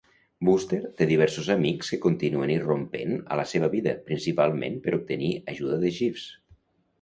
Wooster té diversos amics que continuen irrompent a la seva vida, principalment per obtenir ajuda de Jeeves.